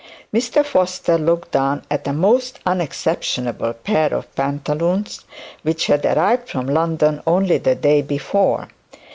Mr Foster looked down at a most unexceptionable pair of pantaloons, which had arrived from London only the day before.